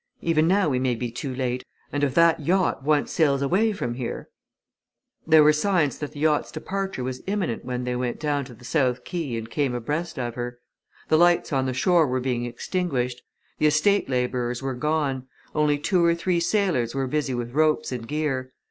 "Even now we may be too late. And if that yacht once sails away from here " There were signs that the yacht's departure was imminent when they went down to the south quay and came abreast of her. The lights on the shore were being extinguished; the estate labourers were gone; only two or three sailors were busy with ropes and gear.